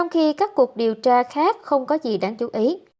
gia khác không có gì đáng chú ý